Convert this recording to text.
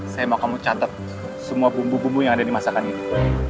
saya mau kamu catat semua bumbu bumbu yang ada di masakan ini